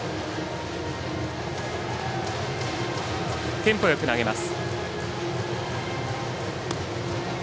テンポよく投げます。